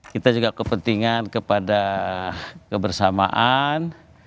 kita juga kepentingan kepada kebersamaan